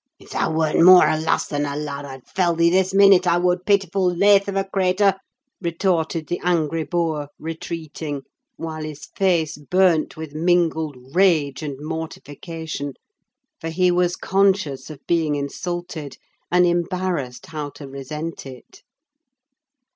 "If thou weren't more a lass than a lad, I'd fell thee this minute, I would; pitiful lath of a crater!" retorted the angry boor, retreating, while his face burnt with mingled rage and mortification; for he was conscious of being insulted, and embarrassed how to resent it.